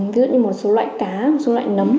ví dụ như một số loại cá số loại nấm